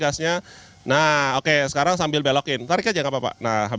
karena brandon saya udah bilang nggak tahan bagus quieter